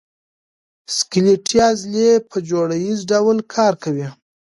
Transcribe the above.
سکلیټي عضلې په جوړه ییز ډول کار کوي.